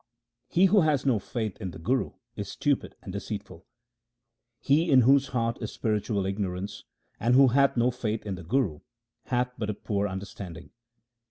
He who has no faith in the Guru is stupid and deceitful :— He in whose heart is spiritual ignorance and who hath no faith in the Guru hath but a poor understanding.